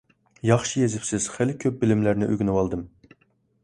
ياخشى يېزىپسىز، خېلى كۆپ بىلىملەرنى ئۆگىنىۋالدىم.